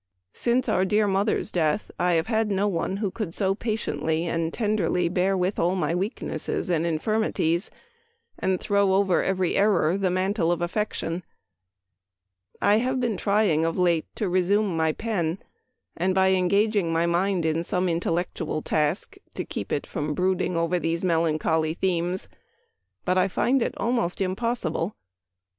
Since our dear mother's death I have had no one who could so patiently and tenderly bear with all my weak nesses and infirmities, and throw over every error the mantle of affection. I have been try ing, of late, to resume my pen, and, by engaging my mind in some intellectual task, to keep it from brooding over these melancholy themes, but I find it almost impossible.